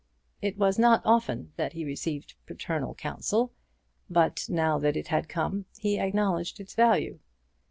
It was not often that he received paternal counsel, but now that it had come he acknowledged its value.